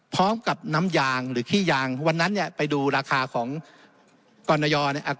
พร้อมกับน้ำยางหรือขี้ยางวันนั้นเนี่ยไปดูราคาของกรณยอเนี่ย